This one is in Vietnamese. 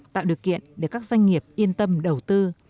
tạo điều kiện để các doanh nghiệp yên tâm đầu tư